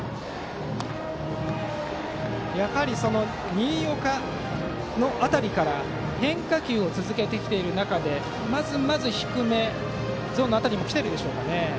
新岡の辺りから変化球を続けている中でまずまず低め、ゾーンの辺りに来ているでしょうかね。